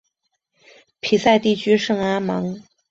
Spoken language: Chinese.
皮赛地区圣阿芒。